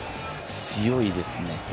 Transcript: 強いですね。